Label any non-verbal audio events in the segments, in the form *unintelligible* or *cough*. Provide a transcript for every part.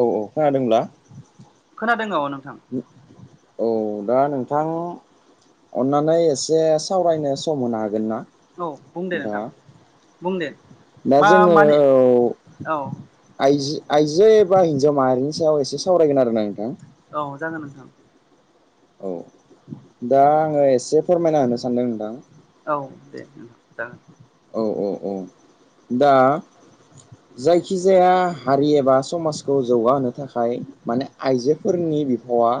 औ औ खादोंब्ला? खोनादों औ नोंथां । औ दा नोंथां अननानै एसे सावरायनो सम होनो हागोन ना? औ बुंदे नोंथाङा नोंथां बुंदे । दा जोङो औ । आइजो आइजो एबा हिनजाव माहारिनि सायाव एसे सावरायगोन आरोना नोंथां । औ जागोन नोंथां । औ दा आङो एसे फोरमायना होनो सानदों नोंथां । औ दे नोंथां जागोन । औ औ औ दा जायखिजाया हारि एबा समाजखौ जौगाहोनो थाखाय माने आइजोफोरनि बि वा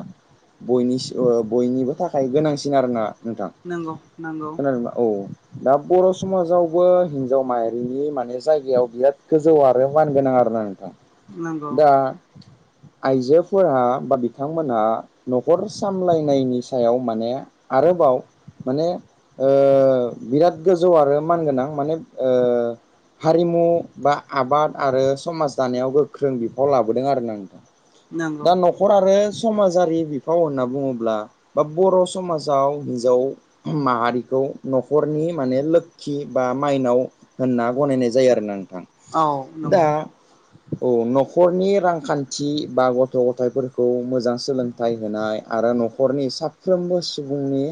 बयनिसि ओ बयनिबो थाखाय गोनांसिन आरोना नोंथां । नंगौ नंगौ । *unintelligible* औ दा बर' समाजावबो हिनजाव माहारिनि माने जायगायाव बिराद गोजौ आरो मान गोनां आरोना नोंथां नंगौ । दा आइजोफोरा बा बिथांमोनहा न'खर सामलायनायनि सायाव माने आरोबाव माने ओ बिराद गो जौ आरो मानगोनां माने ओ हारिमु बा आबाद आरो समाज दानायाव गोख्रों बिफाव लाबोदों आरोना नोंथां । नंगौ दा न' खर आरो समाजारि बिफाव होनना बुङोब्ला बा बर' समाजाव हिन्जाव माहारिखौ न'खरनि माने लोखि बा माइनाव होनना गनायनाय जायो आरोना नोंथां औ । दा नंगौ औ न'खरनि रांखान्थि बा गथ' गथायाइफोरखौ मोजां सोलों थाय होनाय आरो न'खरनि साफ्रोमबो सुबुंनि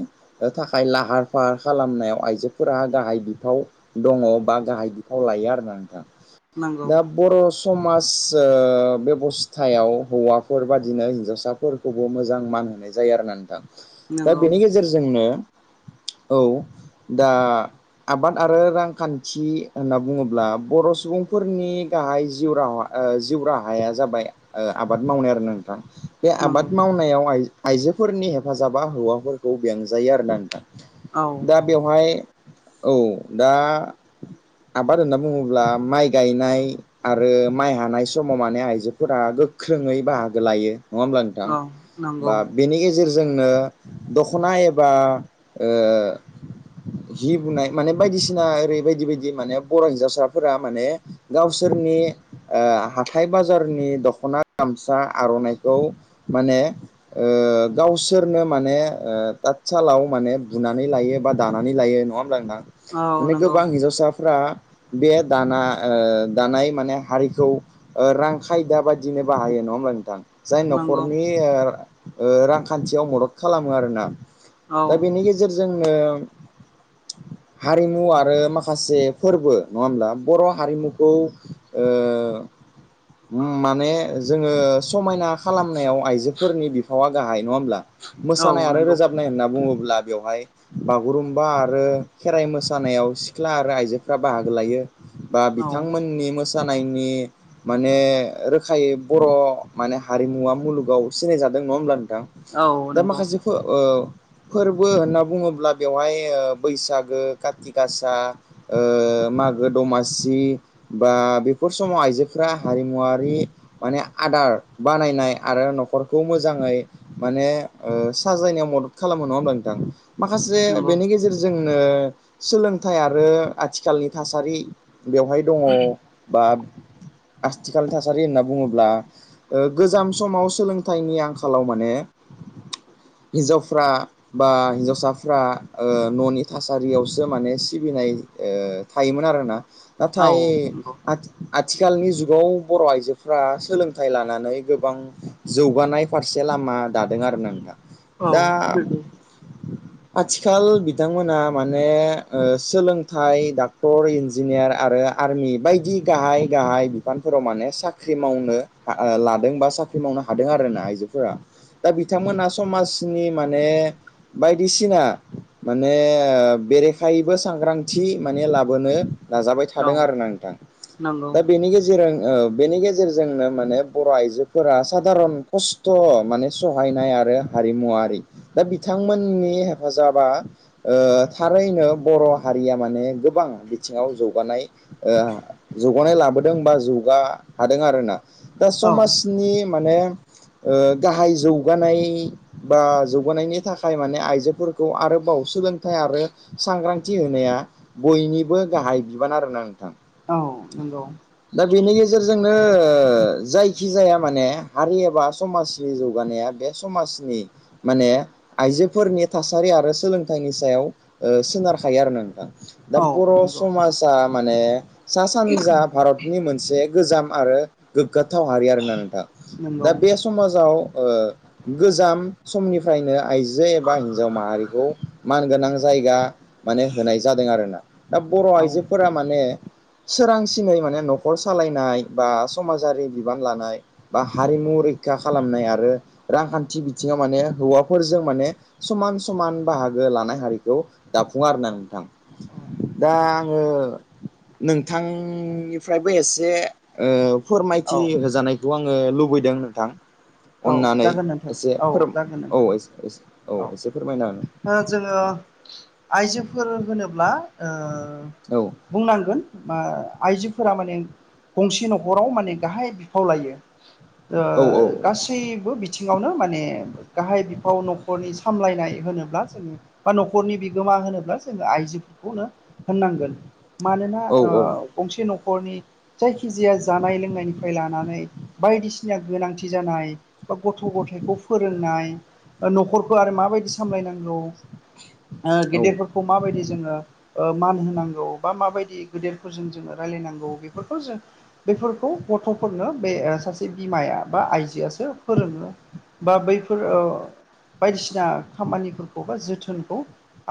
थाखाय लाहार फाहार खालामनायाव आइजो फोरा गाहाय बिफाव दङ बा गाहाय बिफाव लायो आरो ना नोंथां। नंगौ दा बर' समाज ओ बेब'स्थायाव हौवाफोर बादिनो हिनजावसा फोरखौबो मोजां मान होनाय जायो आरोना नोंथां। दा नंगौ बेनि गेजेरजोंनो औ दा आबाद आरो रांखान्थि होनना बुङोब्ला बर' सुबुंफोरनि गाहाय जिउ राहा ओ जिउ राहाया जाबाय ओ आबाद मावनाय आरोना नोंथां । बे नंगौ आबाद मावनायाव आइजोफोरनि हेफाजाबा हौवाफोरखौ बेंजायो आर ना नोंथां। औ ओमफाय औ दा आबाद होनना बुङोब्ला माइ गायनाय आरो माइ हानाय समाव माने आइजोफोरा गोख्रोङै बाहागो लायो। नङा होमब्ला नोंथां? औ बा नंगौ बेनि गेजेरजोंनो दख'ना एबा हि बुनाय माने बायदिसिना ओरै बायदि बायदि माने बर' हिन्जावसाफोरा माने गावसोरनि ओ हाथाय-बाजारनि दख'ना, गामसा, आर'नाइखौ माने ओ गावसोरनो माने ओ थात-सालाव माने बुनानै लायो बा दानानै लायो नङा होमब्ला नोंथां? औ माने नंगौ गोबां हिनजावसाफ्रा बे दाना ओ दानाय माने हारिखौ ओ रां खायदा बायदिनो बाहायो। नङा होमब्ला नोंथां? जाय नंगौ न'खरनि ओ ओ रांखान्थियाव मदद खालामो आरोना औ दा बेनि गेजे रजोंनो हारिमु आरो माखासे फोरबो नङा होमब्ला? बर' हारिमुखौ ओ माने जोङो समायना खालामनायाव आइजोफोरनि बिफावा गाहाय नङा होमब्ला? औ मोसानाय आरो नंगौ रोजाबनाय होनना बुङोब्ला बेवहाय बा गुरुम्बा आरो खेराइ मोसानायाव सिख्ला आरो आइजोफ्रा बाहागो लायो। बा औ बिथांमोननि मोसानायनि माने रोखायै बर' माने हारिमुवा मुलुगाव सिनाय जादों। नङा होमब्ला नोंथां? औ दा नंगौ माखासे फोर ओ फोरबो होनना बुङोब्ला बेवहाय ओ बैसागो, काति गासा, ओ मागो-दमासि बा बेफोर समाव आइजोफोरा हारिमुवारि माने आदार बानायनाय आरो न'खरखौ मोजाङै माने ओ साजायनायाव मदद खालामो। नङा होमबा नोंथां? माखासे नंगौ बेनि गेजेरजोंनो सोलोंथाइ आरो आथिखालनि थासारि बेवहाय दंङ बा आथिखालनि थासारि होनना बुङोब्ला ओ गोजाम समाव सोलोंथाइनि आंखालाव माने हिन्जावफ्रा बा हिन्जावसा फ्रा ओ न'नि थासारियावसो माने सिबिनाय ओ थायोमोन आरोना औ नाथाय नंगौ आथि खालनि जुगाव बर' आइजोफोरा सोलोंथाइ लानानै गोबां जौगानाय फारसे लामा दादों आरो ना नोंथां। औ दा नंगौ। आथिखाल बिथांमोनहा माने ओ सोलोंथाइ डाक्टर, इन्जिनियार आरो आर्मि बायदि गाहाय गाहाय बिफानफोराव माने साख्रि मावनोओ लादों बा साख्रि मावनो हादों आरोना आइजोफोरा। दा बिथांमोना समाजनि माने बायदिसि‌ ना माने ओ बेरेखायैबो सांग्रांथि माने लाबोनो नाजाबाय थादों औ आरो ना नोंथां। नंगौ दा बेनि गेजे रांजों ओ बेनि गेजेरजोंनो माने बर' आइजोफोरा सादारन खस्थ' माने सहायनाय आरो हारिमुवारि दा बिथांमोननि हेफाजाबा ओ थारैनो बर' हारिया माने गोबां बिथिङाव जौगानाय ओ जौगानाय लाबोदों बा जौगा हादों आरोना दा औ समाजनि माने ओ गाहाय जौगानाय बा जौगानायनि थाखाय माने आइजोफोर खौ आरोबाव सोलोंथाइ आरो सांग्रांथि होनाया बयनिबो गाहाय बिबान आरोना नोंथां नोंगौ दा बेनि गेजेरजोंनो जायखि जाया माने हारि एबा समाजनि जौगानाया बे समाजनि माने आइजोफोरनि थासारि आरो सोलोंथाइनि सायाव ओ सोनारखायो आरो ना नोंथां दा औ बर' नंगौ समाज आ माने सा सानजा भारतनि मोनसे गोजाम आरो गोग्गाथाव हारि आरोना नोंथां। नंगौ दा बे समाजाव ओ गोजाम समनिफ्रायनो आइजो एबा हि हिन्जाव माहारिखौ मानगोनां जायगा माने होनाय जादों आरोना दा बर' औ आइजोफोरा माने सोरांसिनै माने न'खर सालायनाय बा समाजारि बिबान लानाय बा हारिमु' रैखा खालामनाय आरो रांखान्थि बिथिङाव माने हौवाफोरजों माने समान समान बाहागो लानाय हारिखौ दाफुङा आरो ना नोंथां। दा नंगौ आङो नोंथांनिफ्रायबो एसे ओ औ फोरमायथि होजानायखौ आङो लुबैदों नोंथां औ अननानै जागोन नोंथां एसे फोर जागोन औ नोंथां एसे एसे औ एसे फोरमायना हो। ओ जोङो आइजोफोर होनोब्ला ओ औ बुंनांगोन मा आइजोफोरा माने गंसे न'खराव माने गाहाय बिफाव लायो ओ औ गासैबो बिथिङावनो माने गाहाय बिफाव न'खरनि सा मलायनाय होनोब्ला जोङो बा न'खरनि बिगोमा होनोब्ला जोङो आइजोफोरखौनो होननांगोन मानोना औ ओ गंसे न'खरनि जायखिजाया जानाय लोंनायनिफ्राय लानानै बायदिसिना गोनांथि जानाय बा गथ' ग'थायखौ फोरोंनाय बा न'खरखौ आरो मा माबायदि सामलायनांगौ ओ औ गेदेरफोरखौ माबायदि जोङो ओ मान होनांगौ बा माबायदि गेदेरफोरजों जोङो रायलायनांगौ बेफोरखौ जों बेफोरखौ गथ'फोरनो बे ओ सासे बिमाया बा आइजोआसो फोरोङो बा बैफोर ओ बायदिसिना खामानिफोरखौ बा जोथोनखौ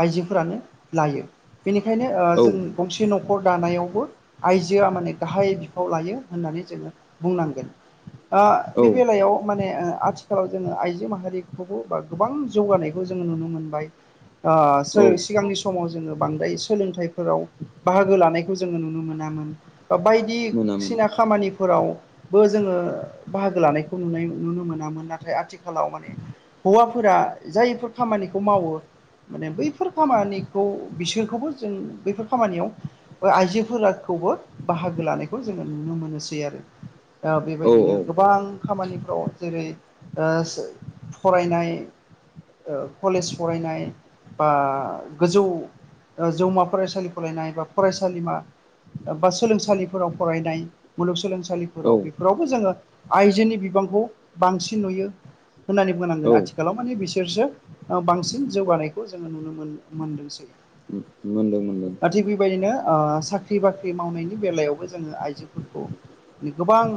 आइजोफोरानो लायो बेनिखायनो ओ औ जों गंसे न'खर दानायावबो आइजोआ माने गाहाय बिफाव लायो होननानै जोङो बुंनांगोन ओ बे औ बेलायाव माने ओ आथिखालाव जोङो आइजो माहारिखौबो बा गोबां जौगानायखौ जोङो नुनो मोनबाय ओ सो् औ सिगांनि समाव जोङो बांद्राय सोलोंथाइफोराव बाहागो लानायखौ जोङो नुनो मोनामोन बा बायदि मोनामोन सिना खामानिफोरावबो जोङो बाहागो लानायखौ नुनाय नुनो मोनामोन नाथाय आथिखालाव माने हौवाफोरा जायफोर खामानिखौ मावो माने बैफोर खामानिखौ बिसोरखौबो जों बैफोर खामानियाव बा आइजोफोराखौबो बाहागो लानायखौ जोङो नुनो मोनोसै आरो दा औ बेबायदिनो औ गोबां खामानिफ्राव जेरै ओ सो फरायनाय' ओ कलेज फरायनाय' बा गोजौ ओ जौमा फरायसालि फरायनाय' बा फरायसालिमा बा सोलोंसालिफोराव फरायनाय' मुलुगसोलोंसालि औ फोराव बेफोरावबो जोङो आइजोनि बिबांखौ बांसिन नुयो होननानै बोनांगोन औ आथिखालाव माने बिसोरसो बांसिन जौगानायखौ जोङो नुनो मोन मोनदोंसै मोनदों मोनदों दा थिग बेबायदिनो ओ साख्रि बाख्रि मावनायनि बेलायावबो जोङो आइजोफोरखौ नि गोबां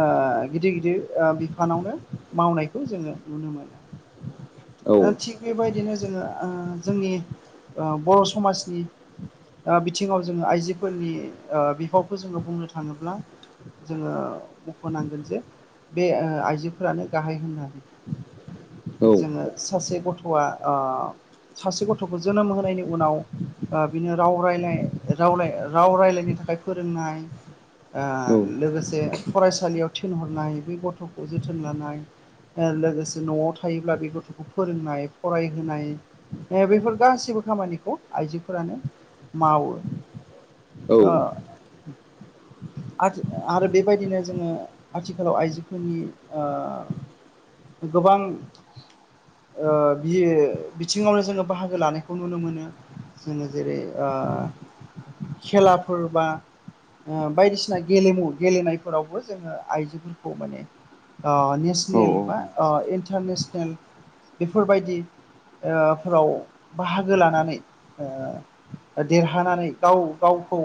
ओ गिदिर गिदिर ओ बिफानावनो मावनायखौ जोङो नुनो मोनो। औ ओ थिग बेबायदिनो जोङो ओ जोंनि ओ बर' समाजनि ओ बिथिङाव जोङो आइजोफोरनि ओ बिफावखौ जोङो बुंनो थाङोब्ला जोङो होनांगोन जे बे आइजोफोरानो गाहाय होननानै औ जोङो सासे गथ'आ सासे गथ'खौ जोनोम होनायनि उनाव बिनो राव रायलाय राव राव रायलायनो थाखाय फोरोंनाय ओ औ लोगोसे फरायसालियाव थिनहरनाय बे गथ'खौ जोथोन लानाय ओ लोगोसे न'वाव थायोब्ला बे गथ'खौ फोरोंनाय फरायहोनाय बेफोर गासैबो खामानिखौ आइजोफोरानो मावो ओ आरो बेबायदिनो जोङो आथिखालाव आइजोफोरनि ओ गोबां ओ बियो बिथिङावनो जोङो बाहागो लानायखौ नुनो मोनो जोङो जेरै ओ खेलाफोर बा ओ बायदिसिना गेलेमु गेलेनाय फोरावबो जोङो आइजोफोरखौ माने ओ नेसनेल बा औ इन्टारनेसनेल बेफोरबायदि ओ फोराव बाहागो लानानै देरहानानै गाव गावखौ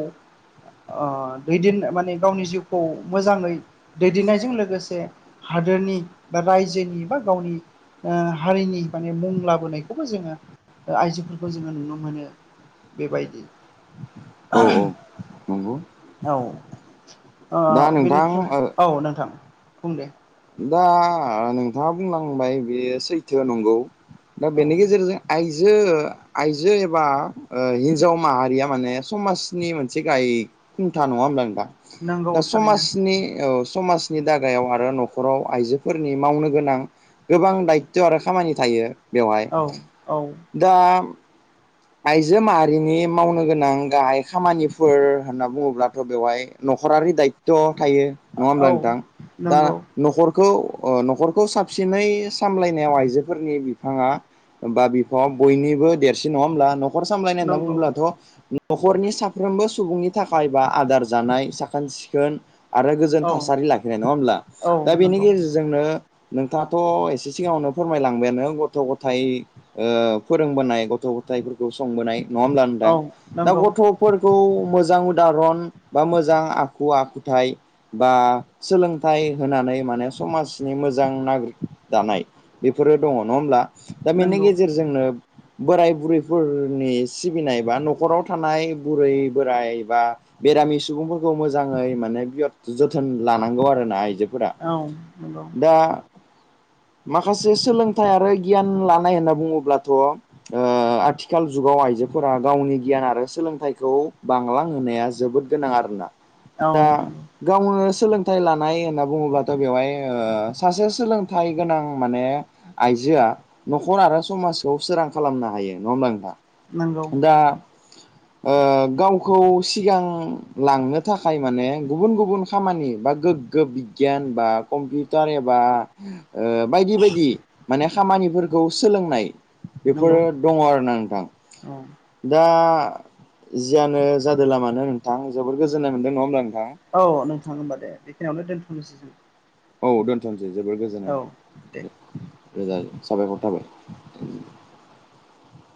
ओ‌ दैदेन माने गावनि जिउखौ मोजाङै दैदेननायजों लोगोसे हादोरनि बा रायजोनि बा गावनि ओ हारिनि माने मुं लाबोनायखौबो जोङो आइजोफोरखौ जोङो नुनो मोनो। बेबायदि औ औ नंगौ औ ओ दा नोंथां बेनिफ्राय ओ औ नोंथां बुं दे दा नोंथाङा बुंलांबाय बेयो सैथो नंगौ। दा औ बेनि गेजेरजों आइजो आइजो एबा ओ हिनजाव माहारिया माने समाजनि मोनसे गाय खुन्था नङा होमब्ला नोंथां नंगौ दा थारैनो समाजनि समाजनि औ दागायाव आरो न'ख राव आइजोफोरनि मावनो गोनां गोबां दायथ' आरो खामानि थायो। बेवहाय औ औ दा आइजो माहारिनि मावनो गोनां गाहाय खामानिफोर होनना बुङोब्लाथ' बेवहाय न'खरारि दाय त' थायो नङा होमब्ला औ नोंथां दा नंगौ न'खरखौ ओ न'खरखौ साबसिनै सामलायनायाव आइजोफोरनि बिफाङा बा बिफाङाव बयनिबो देरसिन नङा होमब्ला न'खर सामलायनाय होनना नंगौ बुङोब्लाथ' न'खरनि साफ्रोमबो सुबुंनि थाखाय बा आदार जानाय साखोन सिखोन आरो गोजोन औ थासारि लाखिनाय नङा होमब्ला औ दा बेनि नंगौ गेजेरजों जोंनो नोंथाङाथ' एसे सिगाङावनो फोरमायलांबायानो गथ' गथाइ ओ फोरोंबोनाय गथ' गथाइफोरखौ संबोनाय नङा ओमब्ला औ नोंथां दा नंगौ गथ' फोरखौ मोजां उदाहरन बा मोजां आखु आखुथाइ बा सोलोंथाइ होनानै माने समाजनि मोजां नागरिक दानाय बेफोरो दङ नङा होमब्ला दा बेनि नंगौ गेजेरजोंनो बोराइ बुरै फोरनि सिबिनाय बा न'खराव थानाय बुरै बोराइ बा बेरामि सुबुंफोरखौ मोजाङै माने बिराद जोथोन लानांगौ आरोना आइजो फोरा औ नंगौ दा माखासे सोलोंथाइ आरो गियान लानाय होनना बुङोब्लाथ' आथिखाल जुगाव आइजोफोरा गावनि गियान आरो सोलोंथाइखौ बांलांहोनाया जोबोद गोनां आरोना। औ दा नंगौ गावनो सोलोंथाइ लानाय होनना बुङोब्लाथ' बेवहाय ओ सासे सोलोंथाइ गोनां माने आइजोआ न'खर आरो समाजखौ सोरां खालामनो हायो। नङा होमबा नंगौ नोंथां दा ओ गावखौ सिगां लांनो थाखाय माने गुबुन गुबुन खामानि बा गो गो बिगियान बा कम्पिउटार एबा ओ बायदि बायदि माने खामानिफोरखौ सोलोंनाय नंगौ बेफोरो दङ आरोना नोंथां। औ दा जियानो जादोला मानो नोंथां जोबोर गोजोननाय मोनदों नङा होमब्ला नोंथां? औ नोंथां होमबा दे बेखिनियावनो दोनथ'नोसै जों औ दोनथ'नोसै जोबोर गोजोननाय औ मोनबाय दे रोजा रोजा साबायखर थाबाय